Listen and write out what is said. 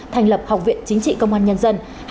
thành lập học viện chính trị công an nhân dân